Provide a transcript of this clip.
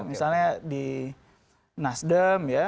misalnya di nasdem ya